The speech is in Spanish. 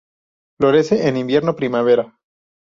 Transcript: Florece en invierno-primavera.